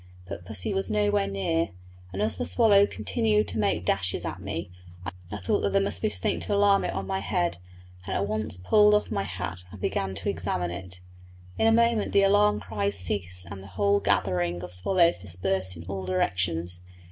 But pussy was nowhere near, and as the swallow continued to make dashes at me, I thought that there must be something to alarm it on my head, and at once pulled off my hat and began to examine it. In a moment the alarm cries ceased and the whole gathering of swallows dispersed in all directions.